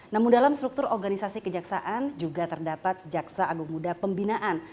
namun dalam struktur organisasi kejaksaan juga terdapat jaksa agung muda pembinaan